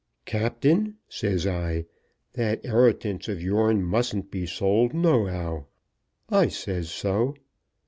'Captain,' says I, 'that 'eritance of yourn mustn't be sold no how. I says so.